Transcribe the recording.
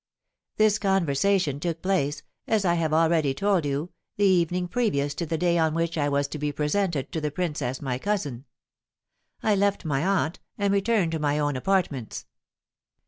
This conversation took place, as I have already told you, the evening previous to the day on which I was to be presented to the princess my cousin. I left my aunt, and returned to my own apartments.